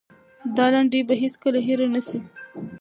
دا لنډۍ به هېڅکله هېره نه سي.